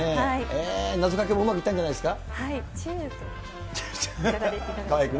謎かけもうまくいったんじゃないですか。